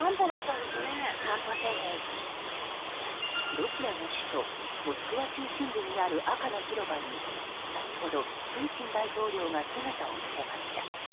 ロシアの首都モスクワ中心部にある赤の広場に先ほどプーチン大統領が姿を見せました。